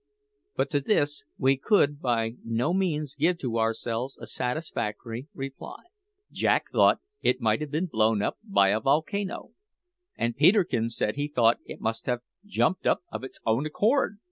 But to this we could by no means give to ourselves a satisfactory reply. Jack thought it might have been blown up by a volcano; and Peterkin said he thought it must have jumped up of its own accord!